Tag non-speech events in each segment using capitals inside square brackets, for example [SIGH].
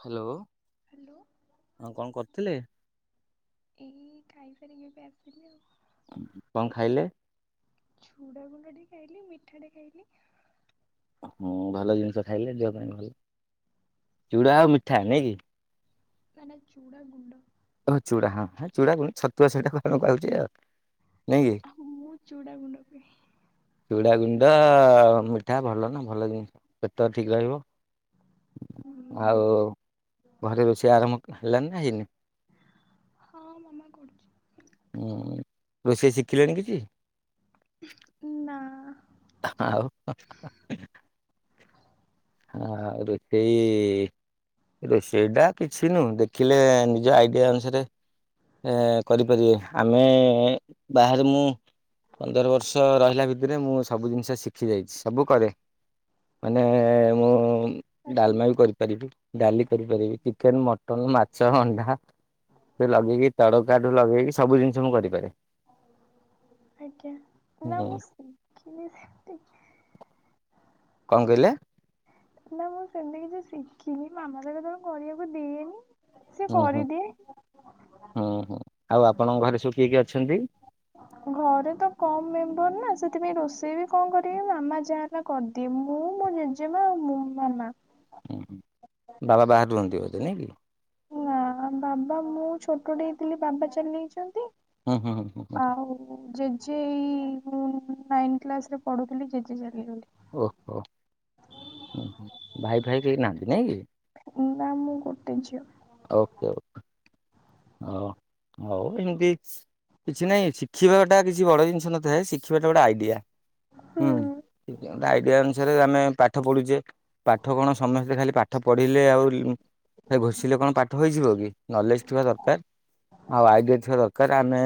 Hello. Hello ହଁ କଣ କରିଥିଲେ? ଏଇ ଖାଇ ସାରିକି ଏବେ ଆସିଲି ଆଉ। କଣ ଖାଇଲେ? ଛୁଡା ଗୁଣ୍ଡ ଟେ ଖାଇଲି। ମିଠାଟେ ଖାଇଲି। ହୁଁ ଭଲ ଜିନିଷ ଖାଇଲେ। ଦେହ ପାଇଁ ଭଲ। ଚୁଡ଼ା ଆଉ ମିଠା ନାଇକି? ନା ନା ଚୁଡ଼ା ଗୁଣ୍ଡ। ଓ ଚୁଡ଼ା ହଁ ହଁ, ଚୁଡା ଛତୁଆ ସେଇଟା କଣ କଉଛି ଆଉ। ନାଇଁ କି? ଆ ହୁଁ, ମୁଁ ଚୁଡା ଗୁଣ୍ଡ କୁହେ। ଚୁଡାଗୁଣ୍ଡ ମିଠା ଭଲ ନା ଭଲ ଜିନ୍ସ ପେଟ ଠିକ୍ ରହିବ। [INAUDIBLE] ହୁଁ। ଆଉ ଘରେ ରୋଷେଇ ଆରମ୍ଭ ହେଲାନି ନା ହେଇନି? ହଁ ମାମା କରୁଛି। ହଁ ରୋଷେଇ ଶିଖିଲେଣି କିଛି? ନା। ଆଉ ହଁ ରୋଷେଇ, ରୋଷେଇ ଟା କିଛି ନୁହଁ ଦେ ଶିଖିଲେ ନିଜ ଆଇଡ଼ିଆ ଅନୁସାରେ ଏ କରିପାରିବେ। ଆମେ ବାହାରେ ମୁଁ ପନ୍ଦର ବର୍ଷ ରହିଲା ଭିତରେ ମୁଁ ସବୁ ଜିନ୍ସ ଶିଖି ଯାଇଛି ସବୁ କରେ। ମାନେ ମୁଁ ଆଜ୍ଞା ଡାଲମା ବି କରିପାରିବି। ଡାଲି କରିପାରିବି। ଚିକେନ୍, ମଟନ, ମାଛ, ଅଣ୍ଡା ସେ ଲଗେଇକି ତଡକାଠୁ ଲଗେଇକି ସବୁ ଜିନ୍ସ ମୁଁ କରିପାରେ। ଆଜ୍ଞା। ନା ହୁଁ ମୁଁ ଶିଖିନି ସେମିତି କି କଣ କହିଲେ? ନା ମୁଁ ସେମିତି କିଛି ଶିଖିନି। ମାମା ତ କେତେବେ କରିବାକୁ ଦିଏନି। ସିଏ ହୁଁ ହୁଁ କରିଦିଏ। ହୁଁ ହୁଁ। ଆଉ ଆପଣଙ୍କ ଘରେ ସବୁ କିଏ କିଏ ଅଛନ୍ତି? ଘରେ ତ କମ୍ ମେମ୍ବର ନା, ସେଥିପାଇଁ ରୋଷେଇ ବି କଣ କରିବି ମାମା ଯାହା ନା କରିଦିଏ। ମୁଁ ମୋ ଜେଜେ ମା ଆଉ ମୋ ମାମା। ହୁଁ। ବାବା ବାହାରେ ରୁହନ୍ତି ବୋଧେ ନାଇଁ କି? ନା ବାବା ମୁଁ ଛୋଟଟେ ହେଇଥିଲି ବାବା ଚାଲି ଯାଇଇଛନ୍ତି। ହୁଁ, ହୁଁ, ହୁଁ ଜେଜେ ଏଇ ମୁଁ ନାଇନ୍ କ୍ଲାସ୍ ରେ ପଢୁଥିଲି ଜେଜେ ଚାଲିଗଲେ। ଓହୋ। ଭାଇ ଫାଇ କେହି ନାହାନ୍ତି ନାଇଁ କି? ନା ମୁଁ ଗୋଟେ ଝିଅ। ଓକେ। ଓ। ହ ହଉ ଏମିତି କିଛି ନହିଁ, ଶିଖିବାଟା କିଛି ବଡ ଜିନ୍ସ ନଥାଏ। ଶିଖିବାଟା ଗୋଟେ ଆଇଡିଆ। ହୁଁ ଆଇଡିଆ ଅନୁସାରେ ଆମେ ପା ପାଠ ପଢୁଛେ ପାଠ କଣ ସମସ୍ତେ ଖାଲି ପାଠ ପଢିଲେ ଆଉ ସେ ଘୋଷିଲେ କଣ ପାଠ ହେଇଯିବ କି? ନଲେଜ ଥିବା ଦର ଆଉ ଆଇଡିଆ ଥିବା ଦରକାର। ଆମେ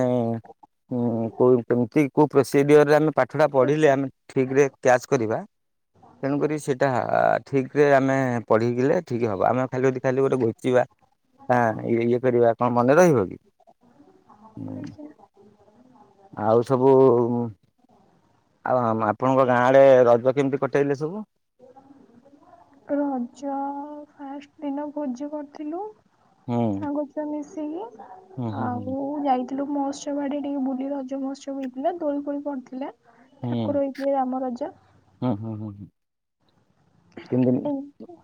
ଉ କୋଉ କେମତି କୋଉ ପ୍ରୋ ସେ ଦିଗରେ ଆମେ ପାଠଟା ପଢିଲେ ଆଜ୍ଞା। ଆମେ ଠିକରେ କ୍ୟାଚ଼ କରିବା ତେଣୁକରି ସେଇଟା ଠିକରେ ଆମେ ପଢିଲେ ଠିକ ହବ ଆମେ ଖାଲି ଯଦି ଖାଲି ଗୋଟେ ଘୋଷିବା ଆଁ ଇଏ କରିବା କଣ ମନେ ରହିବ କି? ଆଜ୍ଞା ଆଉ ସବୁ ଆଉ ଆମ ଆପଣଙ୍କ ଗାଁଆଡ଼େ ରଜ କେମିତି କଟେଇଲେ ସବୁ? ରଜ ଫାଷ୍ଟ ଦିନ ଭୋଜି କରିଥିଲୁ। ହୁଁ। ସବୁ ଛୁଆ ମିଶିକି ହୁଁ ହୁଁ ହୁଁ ଆଉ ଯାଇଥି ଗଲୁ ମହୋତ୍ସବ ଆଡେ ଟିକେ ବୁଲି ରଜ ମହୋତ୍ସବ ହେଉଛି ନା ଦୋଳି ଫୋଳି ପଡିଥିଲା। ହୁଁ। ଠାକୁର ହେଇଥିଲେ ରାମ ରାଜା। ହୁଁ ହୁଁ ହୁଁ। ତିନି ଦିନ ଏଇ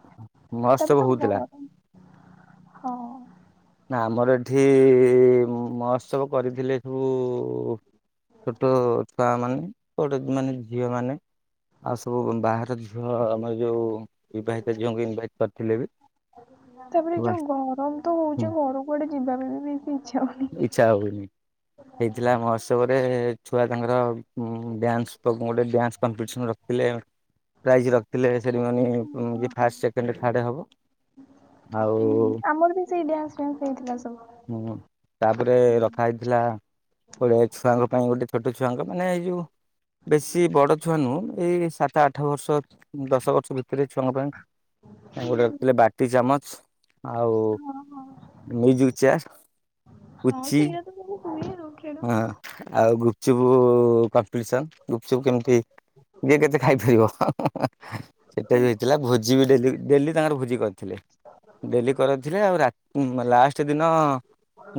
ମହୋତ୍ସବ ତାପରେ ତ ହଉଥିଲା ଗରମ ହଁ। ନା ଆମର ଏଠି ମହୋତ୍ସବ କରିଥିଲେ ସବୁ। ଛୋଟ ଛୁଆ ମାନେ ବଡ ମାନେ ଝିଅମାନେ। ଆଉ ସବୁ ବାହାର ଝୁଅ ଆମର ଯୋଉ ବିବାହିତ ଝୁଅଙ୍କୁ ଇନଭାଇଟ କରିଥିଲେ ବି ତାପରେ ସବୁ ଯୋଉ ଆସି ଗରମ ତ ହୁଁ ହଉଛି ଘରୁ କୁଆଡେ ଯିବା ପାଇଁ ବି ବି ଇଚ୍ଛା ହଉନି। ଇଛା ହଉନି। ହେଇଥିଲା ମହୋତ୍ସବରେ ଛୁଆ ତାଙ୍କର ଡ୍ୟାନ୍ସ ପ୍ରୋ ଗୋଟେ ଡ୍ୟାନ୍ସ କମ୍ପିଟିସନ ରଖ ହେଲେ ପ୍ରାଇଜ୍‌ ରଖିଲେ ସେରିମନି ଯିଏ ଫାଷ୍ଟ, ସେକେଣ୍ଡ, ଥାର୍ଡ ହବ। ହୁଁ ଆଉ ଆମର ବି ସେଇ ଡ୍ୟାନ୍ସ ଫ୍ୟାନ୍ସ ହେଇଥିଲା ସବୁ। ଉହୁଁ, ତାପରେ ରଖା ହେଇଥିଲା। ଗୋଡ଼େ ଛୁଆଙ୍କ ପାଇଁ ଗୋଟେ ଛୋଟ ଛୁଆଙ୍କ ପାଇଁ ମାନେ ଏଇଯୋଉଁ ବେଶୀ ବଡ ଛୁଆ ନୁହଁ ଏଇ ସାତ ଆଠ ବର୍ଷ ଦଶ ବର୍ଷ ଭିତରେ ଛୁଆଙ୍କ ପାଇଁ ତାଙ୍କୁ ରଖିଥିଲେ ବାଟି ଚାମଚ ଆଉ ହଁ ହଁ ମ୍ୟୁଜିକ ଚେୟାର୍ ହଁ ସେଇଆ ତ ସବୁ ହୁଏ ଆଉ ହଁ ଆଉ ଗୁପଚୁପ କମ୍ପିଟିସନ ଗୁପଚୁପ କେମିତି ଜିଏ କେତେ ଖାଇପାରିବ ସେଟା ବି ସେମିତି। ହେଇଥିଲା ଭୋଜି ବି ଡେଲି, ଡେଲି ତାଙ୍କର ଭୋଜି କରିଥିଲେ। ଡେଲି କରଉଥିଲେ ଆଉ ରା ଲାଷ୍ଟ ଦିନ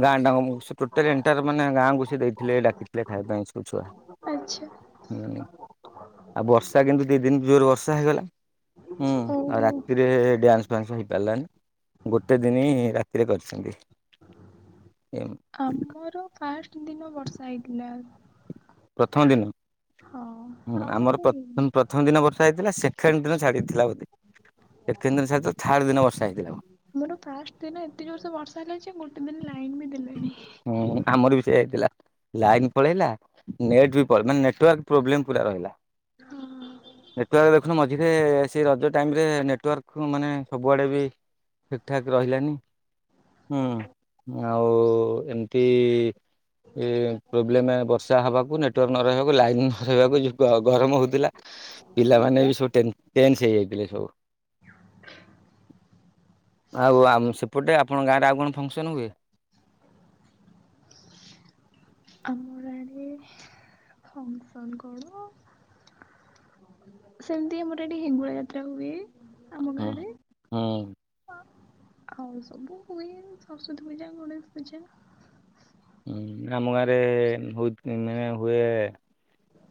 ଗାଁ ଟା ଜାକ ଟୋଟାଲ ଏଣ୍ଟର ମାନେ ଗାଁକୁ ସେ ଦେଇଥିଲେ ଡାକିଥିଲେ ଖାଇବା ପାଇଁ ସବୁ ଛୁଆ। ଆଚ୍ଛା। ହୁଁ, ଆଉ ବର୍ଷା କିନ୍ତୁ ଦି ଦିନି ଜୋର ବର୍ଷା ହେଇଗଲା। ହୁଁ, ଆଉ ଓହୋ। ରାତିରେ ଡ୍ୟାନ୍ସ ଫାନ୍ସ ହେଇପାରିଲାନି। ଗୋଟେ ଦିନି ରାତିରେ କରିଛନ୍ତି। ମୋର ଫାଷ୍ଟ ଦିନ ବର୍ଷା ହେଇଥିଲା। ପ୍ରଥମ ଦିନ? ହଁ। ହୁଁ, ଆଉ ଆମର ତାପରେ ପ୍ରଥମ ହେଇନି। ପଥ ପ୍ରଥମ ଦିନ ବର୍ଷା ହେଇଥିଲା ସେକେଣ୍ଡ ଦିନ ଛାଡ଼ିଥିଲା ବୋଧେ ସେକେଣ୍ଡ ଦିନ ଛାଡ଼ିଥିଲା ଥାର୍ଡ ଦିନ ବର୍ଷା ହେଇଥିଲା। ମୋର ଫାଷ୍ଟ ଦିନ ଏତେ ଜୋରସ ବର୍ଷା ହେଲା ଯେ ଗୋଟେ ଦିନ ଲାଇନ ବି ଦେଲାନି। ହୁଁ ଆମର ବି ସେଆ ହେଇଥିଲା ଲାଇନ ପଳେଇଲା ନେଟ୍ ବି ପଳେଇଲା ମାନେ ନେଟୱର୍କ୍ ପ୍ର ପୁରା ରଇଲା। ହଁ। ନେଟୱାର୍କ ଦେଖୁନ ମଝିରେ ସେ ରଜ ଟାଇମ ରେ ନେଟୱାର୍କ ମାନେ ସବୁଆଡେ ବି ଠିକ୍ ଠାକ୍ ରହିଲାନି। ହୁଁ ଆଉ ଏମତି ଏ ପ୍ରୋବ୍ଲେମ ବର୍ଷା ହବାକୁ ନେଟୱାର୍କ ନ ରହିବାକୁ ଲାଇନ କୁ ଗରମ ହଉଥିଲା ପିଲାମାନେ ପା ବି ସବୁ ଟେନ୍ସ ହେଇଯାଇଥିଲେ ସବୁ [INAUDIBLE] ଆଉ ଆ ସେପଟେ ଆପଣଙ୍କ ଗାଁରେ ଆଉ କଣ ଫଙ୍କସନ ହୁଏ। ଆମର ଆଡେ ଫଂସନ କଣ ସେମିତି ଆମର ଏଠି ହେଙ୍ଗୁଳା ଯାତ୍ରା ହୁଏ। ଆମ ହଁ ଗାଁରେ ହଁ। ଆଉ ସବୁ ହୁଏ ସରସ୍ଵତୀ ପୂଜା ଗଣେଶ ପୂଜା ହୁଁ ଆମ ଗାଁ ରେ ହଉତ୍ ମାନେ ହୁଏ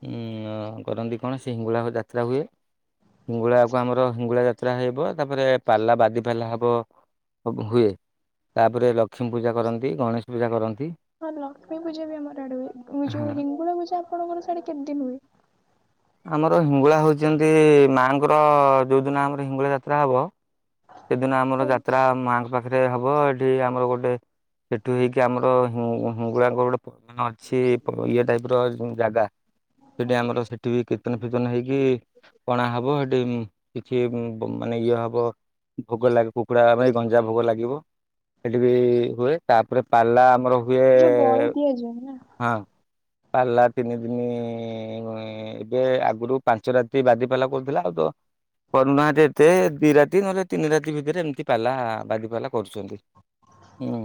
ଉଁ କରନ୍ତି କଣ ସେ ହିଙ୍ଗୁଳା ହୁଏ ଯାତ୍ରା ହୁଏ। ହିଙ୍ଗୁଳାକୁ ଆମର ହିଙ୍ଗୁଳା ଯାତ୍ରା ହେବ ତାପରେ ପାଲା ବାଦି ପାଲା ହବ ହବ୍ ହୁଏ ତାପରେ ଲକ୍ଷ୍ମୀ ପୂଜା କରନ୍ତି ଗଣେଶ ପୂଜା କରନ୍ତି। ହଁ ଲକ୍ଷ୍ମୀ ପୂଜା ବି ଆମର ଆଡେ ହୁଏ କ ଯୋଉ ହଁ ହିଙ୍ଗୁଳା ପୂଜା ଆପଣଙ୍କର ସେଆଡେ କେମିତି ହୁଏ। ଆମର ହିଙ୍ଗୁଳା ହଉଛନ୍ତି ମାଙ୍କର ଯୋଉ ଦିନ ଆମର ହିଙ୍ଗୁଳା ଯାତ୍ରା ହବ ସେଦିନ ଆମର ଯାତ୍ରା ମାଙ୍କ ପାଖରେ ହବ ଏଠି ଆମର ଗୋଟେ ସେଠୁ ହେଇକି ଆମର ହି ହିଙ୍ଗୁଳାଙ୍କର ଗୋଟେ ପ ମାନେ ଅଛି ପ ଇଏ ଟାଇପ ର ଜାଗା। ସେଠି ଆମର ସେଠି ବି କୀର୍ତ୍ତନ ଫୀର୍ତନ ହେଇକି ପଣା ହବ ହେଠି କିଛି ବ ମାନେ ଇଏ ହବ ଭୋଗ ଲାଗ କୁକୁଡ଼ା ମାଇ ଗଞ୍ଜା ଭୋଗ ଲାଗିବ। ସେଠି ବି ହୁଏ ତାପରେ ପାଲା ଆମର ହୁ ଯୋଉ ବଳି ଦିଆଯିବନି ନା। ହଁ। ପାଲା ତିନି ଦିନ ଏବେ ଆଗରୁ ପାଞ୍ଚ ରାତି ବାଦି ପାଲା କରୁଥିଲା ଆଉ ତ କରୁନାହାନ୍ତି ଏତେ ଦି ରାତି ନହେଲେ ତିନି ରାତି ଭିତରେ ଏମିତି ପାଲା ବାଦି ପାାଲା କରୁଛନ୍ତି। ହୁଁ।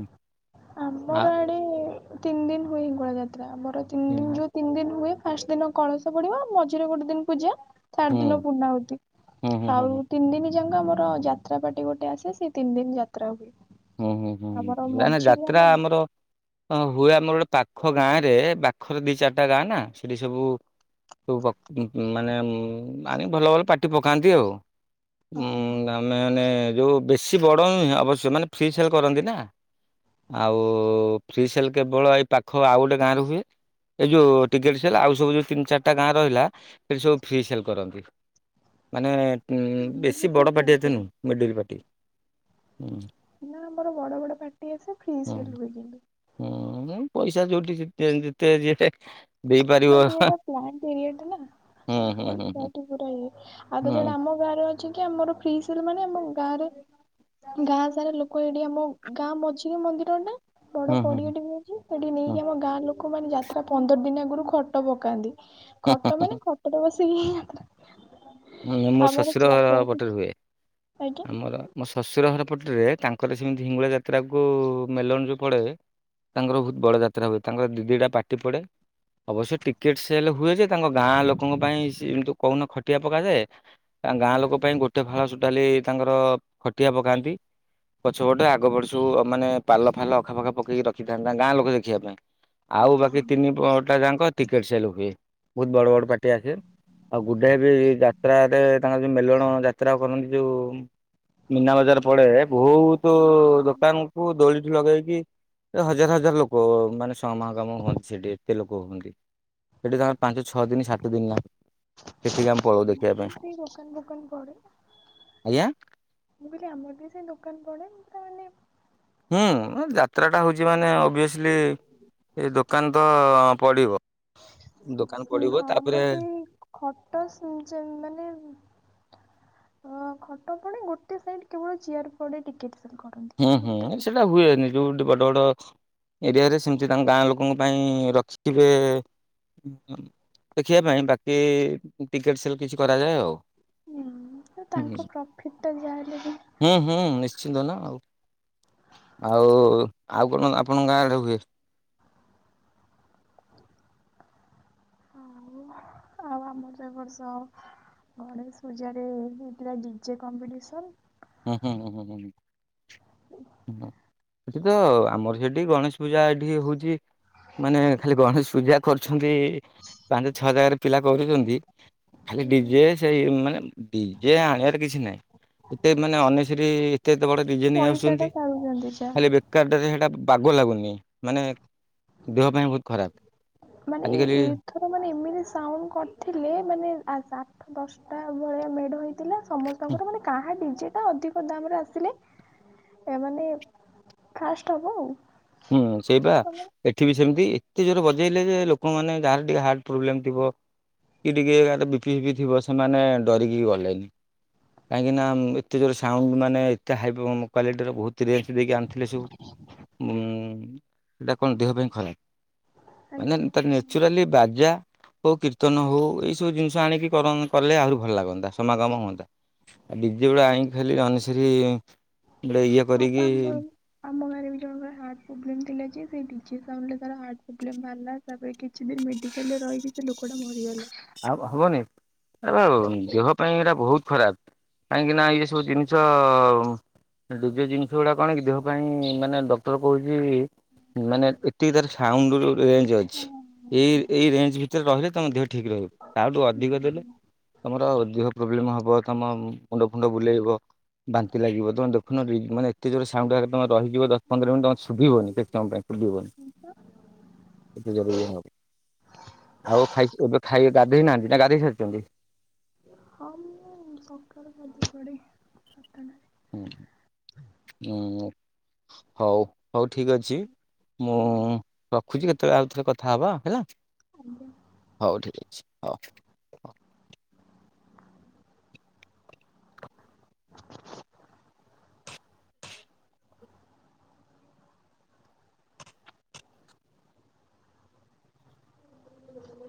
ଆ ଆମର ଆଡେ ତିନି ଦିନ ହୁଏ ଗୋଳା ଯାତ୍ରା ଆମର ତିନି ଦିନ ହୁଁ। ଯୋଉ ତିନି ଦିନ ହୁଏ ଫାଷ୍ଟ ଦିନ କଳସ ପଡିବ ମଝିରେ ଗୋଟେ ଦିନ ପୂଜା ଥାର୍ଡ ଦିନ ହୁଁ ପୂର୍ଣା ହୁତି ହୁଁ ହୁଁ ହୁଁ ହୁଁ। ଆଉ ତିନି ଦିନ ଯାକ ଆମର ଯାତ୍ରା ପାର୍ଟି ଗୋଟେ ଆସ ସେ ତିନି ଦିନ ଯା ତ୍ରା ହୁଏ ଆମର ମଝି ତ୍ରା ଆମର ହଁ ହୁଏ ଆମର ଗୋଟେ ପାଖ ଗାଁ ରେ ପାଖର ଦି ଚାରିଟା ଗାଁ ନା ସେଠି ସବୁ ସବୁ ପ ଅ ମାନେ ଆଣି ଭଲ ଭଲ ପାଟି ପକାନ୍ତି ଆଉ। ଉଁ ହଁ ଆମେ ଏଣେ ମାନେ ଯୋଉ ବେଶୀ ବଡ ନୁହେଁ ଆବଶ୍ୟ ମାନେ ଫ୍ରି ସେଲ କରନ୍ତି ନା। ଆଉ ଫ୍ରି ସେଲ କେବଳ ଏଇ ପାଖ ଆଉ ଗୋଟେ ଗାଁରେ ହୁଏ। ଏଇ ଯୋଉ ଟିକେଟ୍ ସେଲ୍ ଆଉ ସବୁ ଯୋଉ ତିନି ଚାରିଟା ଗାଁ ରହିଲା ସେଇଠି ସବୁ ଫ୍ରୀ ସେଲ୍ କରନ୍ତି। [INAUDIBLE] ମାନେ ଉଁ ଆମର ବି ବେଶୀ ସେ ବଡ ଫ୍ରି ପାର୍ଟି ଏତେ ସେଲ୍ ନୁହ ମିଡଲ ପାର୍ଟି ହୁଁ। ନା ଆମର ବଡ ବଡ ପାର୍ଟି ଆସେ ଫ୍ରି ହୁଁ ସେଲ ହୁଏ କିନ୍ତୁ। ହୁଁ ଉଁ ପଇସା ଯଉଠି ଯେତେ ଯ ଆମର ଟିକେ ଏଟା ପ୍ଲାଣ୍ଟ ଏରିଆ ଟା ନା ହୁଁ ତ ହୁଁ ହୁଁ ପଇସା ହୁଁ ଏଠି ପୂରା ଇଏ ଆଗେ ହୁଁ। ଜୋଉଡ଼ା ଆମ ରେ ଅଛି କି ଆମର ଫ୍ରି ସେଲ୍ ମାନେ ଆମ ଗାଁରେ ଗାଁ ସାରା ଲୋକ ଏଠି ଆମ ଗାଁ ମଝିରେ ମନ୍ଦିର ନା ବଡ ହୁଁ ହୁଁ ହୁଁ ପଡିଆଟେ ବି ଅଛି ସେଠି ନେଇକି ହୁଁ ଆମ ଗାଁ ଲୋକ ମାନେ ଯାତ୍ରା ପନ୍ଦର ଦିନ ଆଗରୁ ଖଟ ପକାନ୍ତି। ଖଟ ହୁଁ ମାନେ ଖଟରେ ବସିକି ଯାତରା ହୁ ମୋ ଶ୍ୱଶୁର ଘର ଫେୟାର ପଟେରେ ହୁଏ ଆଜ୍ଞା। ଆମର ମୋ ଶଶୁର ହର ପଟ ରେ ତାଙ୍କର ସେମିତି ହିଙ୍ଗୁଳା ଯାତ୍ରାକୁ ମେଲଣ ଯୋଉ ପଡେ ତାଙ୍କର ବହୁତ ବଡ ଯାତ୍ରା ହୁଏ ତାଙ୍କର ଦି ଦିଟା ପାଟି ପଡେ ଅବଶ୍ୟ ଟିକେଟ ସେଲ ହୁଏ ଯେ ତାଙ୍କ ଗାଁ ଲୋକଙ୍କ ପାଇଁ ସିଏ ମତି କହୁନ ଖଟିଆ ପକାଯାଏ ତାଙ୍କ ଗାଁ ହଁ ଲୋକ ପାଇଁ ଗୋଟେ ଫାଳ ଟୋଟାଲି ତାଙ୍କର ଖଟିଆ ପକାନ୍ତି। ପଛ ପଟେ ଆଗ ପଟ ସୁ ମାନେ ପାଲ ଫାଲ ଆଖାପଖା ପକେଇକି ରଖିଥାନ୍ତି ତାଙ୍କ ଗାଁ ଲୋକ ଦେଖିବା ପାଇଁ। ଆଉ ବାକି ହଁ ତିନି ପ ଟା ଯାଙ୍କ ଟିକେଟ ସେଲ ହୁଏ ବହୁତ ବଡ ବଡ ପାର୍ଟି ଆସେ। ଆଉ ଗୁଡେ ବି ଯାତ୍ରା ରେ ତାଙ୍କର ଯୋଉ ମେଲଣ ଯାତ୍ରା କରନ୍ତି ଯୋଉ ମୀନା ବଜାର ପଡେ ବହୁତ ଦୋକାନକୁ ଦୋଳିଠୁ ଲଗେଇକି ହଜାର ହଜାର ଲୋକ ମାନେ ସମ ମ କାମ ହୁଅନ୍ତି ସେଠି। ତେ ଲୋକ ହୁଅନ୍ତି ସେଠି ତମର ପାଞ୍ଚ ଛଅ ଦିନ ସାତ ଦିନ ଲାଗ ସେଠିକି ଆମେ ପଳଉଛୁ। ଆମ [UNINTELLIGIBLE] ଦୋକାନ ଫୋକାନ ପଡେ। ଆଜ୍ଞା ମୁଁ କଇଲି ଆମର ବି ସେଇ ଦୋକାନ ପଡେ। ମୁଁ ତା ମାନେ ହୁଁ ଉଁ ଯାତ୍ରା ଟା ହଉଛି ମାନେ ଅଭିଅସଲି ଏ ଦୋକାନ ତ ପଡିବ। ଦୋକାନ ଉଁ ପଡିବ ହଁ ତାପରେ ଆମର ଏଇ ଖଟ ଶୁନଚନ ମାନେ ଅ ଖଟ ପଡେ ଗୋଟେ ସାଇଡ କେବଳ ଚେୟାର୍ ପଡେ ଟିକେଟ୍ ସେଲ କ ହୁଁ ହୁଁ ସେଇଟା ହୁଏନି ଯୋଉଠି ବଡ ବଡ ଏରିଆ ରେ ସେମିତି ତାଙ୍କ ଗାଁ ଲୋକଙ୍କ ପାଇଁ ରଖିଥିବେ। ଦେଖିବା ପାଇଁ ବାକି ଟିକେଟ ସେଲ କିଛି କରାଯାଏ ଆଉ। ହୁଁ ତାଙ୍କ ପ୍ରଫିଟ ଟା ଯାହାହେଲେ ବି। ହୁଁ ହୁଁ ନିଶ୍ଚିନ୍ତ ନା ଆଉ, ଆଉ ଆଉ କଣ ଆପଣଙ୍କ ଗାଁ ଆଡେ ହୁଏ? ଆଉ ଆଉ ଆମର ତ ଏ ବର୍ଷ ଗଣେଶ ପୂଜା ରେ ହେଇଥିଲା ଡିଜେ କମ୍ପିଟିସନ। ହୁଁ ହୁଁ ହୁଁ ହଁ ହୁଁ ହୁଁ। ସେଠି ତ ଆମର ସେଠି ଗଣେଶ ପୂଜା ଏଠି ହଉଛି। ମାନେ ଖାଲି ଗଣେଶ ପୂଜା କରୁଛନ୍ତି ପାଞ୍ଚ ଛଅ ହଜାର ପିଲା କରୁଛନ୍ତି। ଖାଲି ହେଇଥିଲା। ଡିଯେ ସେଇ ମାନେ ଡିଜେ ଆଣିବାର କିଛି ନାହିଁ। ଏତେ ମାନେ ଅନଶ୍ରୀ ଏତେ ଏତେ ବଡ ନିଜେ ନେଇ ପଇସା ଟା ଆସୁଛନ୍ତି। ସାରୁଛନ୍ତି ଯା ଖାଲି ବେକାର ଟାରେ ହେଟା ବାଗ ଲାଗୁନି। ମାନେ ଦେହ ପାଇଁ ବହୁତ ଖରାପ। ଆଜିକାଲି ଥର ମାନେ ଏମିତି ସାଉଣ୍ଡ କରିଥିଲେ ମାନେ ଆଠ ଦଶଟା ଭଳିଆ ମେଢ ହେଇ ଥିଲା। ସମସ୍ତଙ୍କର ମାନେ କାହା ଡିଜେ ଅଧିକ ଦାମରେ ଆସିଲେ ଏ ମାନେ ଫାଷ୍ଟ ହବ ଆଉ। ହୁଁ ସେଇ ବା। ଏଠି ବି ସେମିତି ଏତେ ଜୋର ବଜେଇଲେ ଯେ ଲୋକମାନେ ଯାହାର ଟିକେ ହାର୍ଟ ପ୍ରୋବ୍ଲେମ ଥିବ କି ଟିକେ ଏ ବି ପି ଫିପି ଥିବ ସେମାନେ ଡରିକି ଗଲେନି। କାହିଁକିନା ଏତେ ଜୋର ସାଉଣ୍ଡ ମାନେ ଏତେ ହାଇ କ୍ୱଲିଟିର ବହୁତ ରେଞ୍ଜ ଦେଇକି ଆଣିଥିଲେ ସବୁ। [UNINTELLIGIBLE] ଉଁ ସେଇଟା କଣ ଦେହ ପାଇଁ ଖରାପ। ମାନେ ଆଜ୍ଞା। ତା ନ୍ୟଚୁରାଲି ବାଜା ହଉ କୀର୍ତ୍ତନ ହଉ ଏଇ ସବୁ ଜିନିଷ ଆଣିକି କଲେ ଆହୁରି ଭଲ ଲାଗନ୍ତା ସମାଗମ ହୁଅନ୍ତା। ଆଉ ଡିଜେ ଗୁଡା ଆଣିକି ଖାଲି ଅନସିରି [UNINTELLIGIBLE] ଆମ ଗାଁ ରେ ବି ଜଣଙ୍କର ହାର୍ଟ ପ୍ରୋବ୍ଲେମ ଥିଲା ଯେ ସେଇ ଡିଜେ ସାଉଣ୍ଡ ରେ ତାର ହାଟ୍ ପ୍ରୋବ୍ଲେମ ବାହାରିଲା। ତାପରେ କିଛି ଦିନ ମେଡିକାଲରେ ରହିକି ସେ ଲୋକଟା ମରିଗଲା। ଆଉ ହବନି ଏବା ଦେହ ପାଇଁ ଏଇଟା ବହୁତ ଖରାପ। କାହିଁକି ନା ଇଏ ସବୁ ଜିନିଷ ଅ ଆ ଡିଜେ ଜିନିଷ ଗୁଡା କଣ କି ଦେହ ପାଇଁ ମାନେ ଡକ୍ଟର କହୁଚି ମାନେ ଏତିକି ତାର ଫାଉଣ୍ଡୁ ରୁ ରେଞ୍ଜ ଅଛି, ଏଇ ଏଇ ରେଞ୍ଜ ଭିତରେ ରହିଲେ ତମ ଦେହ ଠିକ୍ ରହିବ। ତାଆଠୁ ଅଧିକ ଦେଲେ ତମର ଦେହ ପ୍ରୋବ୍ଲେମ ହବ, ତମ ମୁଣ୍ଡ ଫୁଣ୍ଡ ବୁଲେଇବ। ବାନ୍ତି ଲାଗିବ ତମେ ଦେଖୁନ ରି ମାନେ ଏତେ ଜୋର ସାଉଣ୍ଡ ଆଗରେ ତମେ ରହିଯିବ ଦଶ ପନ୍ଦର ମିନିଟ ତମେ ଶୁଭିବନି କେତେ ସମୟ ପାଇଁ ଶୁଭିବନି। ହଁ [INAUDIBLE] [UNINTELLIGIBLE] ବା। ଆଉ ଖାଇ ଏବେ ଖାଇ ଗାଧେଇ ନାହାନ୍ତି ନା ଗାଧେଇ ସାରିଚନ୍ତି? ହଁ ମୁଁ ସକାଳୁ ଗାଧେଇ ପଡେ ସାତଟାରେ। ଉଁ ଉଁ ହଉ। ହଉ ଠିକ୍ ଅଛି ମୁଁ ରଖୁଚି, କେତେବେଳେ ଆଉ ଥରେ କଥା ହବା ହେଲା। ଆଜ୍ଞା। ହଉ ଠିକ୍ ଅଛି ହଉ। [INAUDIBLE]